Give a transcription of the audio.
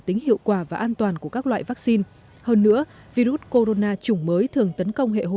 tính hiệu quả và an toàn của các loại vaccine hơn nữa virus corona chủng mới thường tấn công hệ hô